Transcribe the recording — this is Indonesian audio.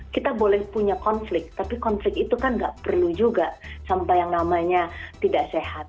kita boleh punya konflik tapi konflik itu kan nggak perlu juga sampai yang namanya tidak sehat